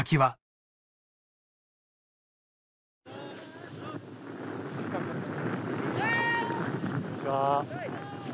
こんにちは